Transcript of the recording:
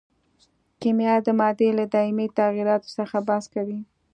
کیمیا د مادې له دایمي تغیراتو څخه بحث کوي.